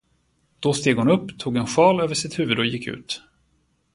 Då steg hon upp, tog en sjal över sitt huvud och gick ut.